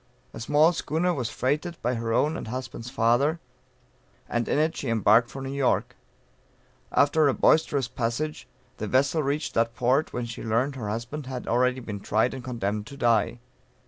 A small schooner was freighted by her own and husband's father, and in it she embarked for New York. After a boisterous passage, the vessel reached that port, when she learned her husband had already been tried and condemned to die.